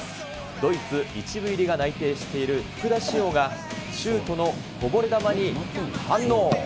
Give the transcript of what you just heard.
ドイツ１部入りが内定している福田師王が、シュートのこぼれ球に反応。